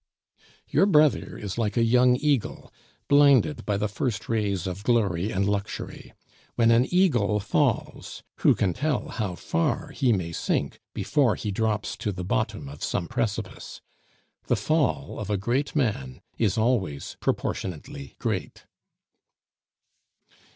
"Your brother is like a young eagle, blinded by the first rays of glory and luxury. When an eagle falls, who can tell how far he may sink before he drops to the bottom of some precipice? The fall of a great man is always proportionately great."